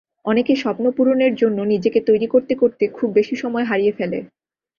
অনেকে স্বপ্ন পূরণের জন্য নিজেকে তৈরি করতে করতে খুব বেশি সময় হারিয়ে ফেলে।